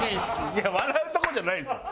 いや笑うとこじゃないですよ。